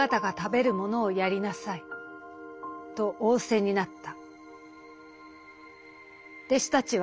「と仰せになった」。